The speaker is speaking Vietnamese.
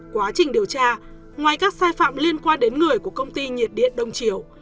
quá trình điều tra ngoài các sai phạm liên quan đến người của công ty nhiệt điện đông triều